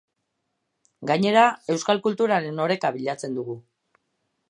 Gainera, euskal kulturaren oreka bilatzen dugu.